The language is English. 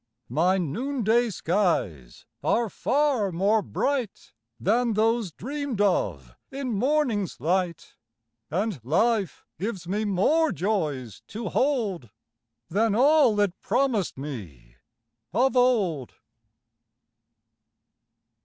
My noonday skies are far more bright Than those dreamed of in morning's light, And life gives me more joys to hold Than all it promised me of old.